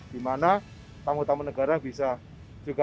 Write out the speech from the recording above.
dimana tamu tamu negara bisa juga